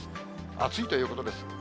暑いということです。